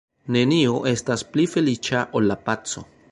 Nenio estas pli feliĉa ol la paco.